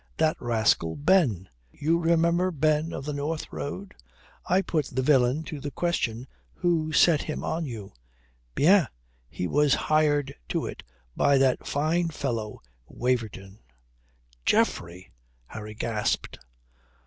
That rascal Ben you remember Ben of the North Road? I put the villain to the question who set him on you. Bien he was hired to it by that fine fellow Waverton." "Geoffrey!" Harry gasped.